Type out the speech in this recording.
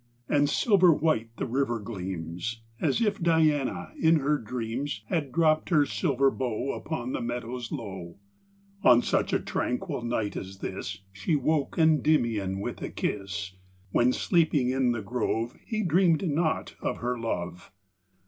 5 And silver white the river gleams, As if Diana, in her dreams, • Had dropt her silver bow Upon the meadows low. On such a tranquil night as this, io She woke Kndymion with a kis^, When, sleeping in tin grove, He dreamed not of her love.